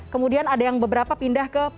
kemudian ada yang beberapa pindah ke